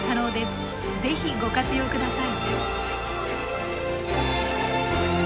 是非ご活用ください。